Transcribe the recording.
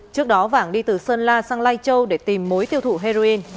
trước đó vàng đi từ sơn la sang lai châu để tìm mối tiêu thụ heroin